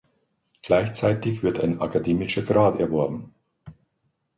Gleichzeitig wird ein akademischer Grad erworben.